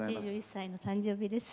８１歳の誕生日です。